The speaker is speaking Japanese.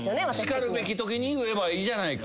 しかるべきときに言えばいいじゃないか。